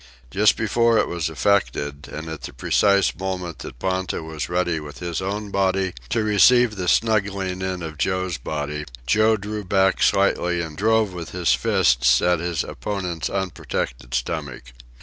Just before it was effected, and at the precise moment that Ponta was ready with his own body to receive the snuggling in of Joe's body, Joe drew back slightly and drove with his fists at his opponent's unprotected stomach.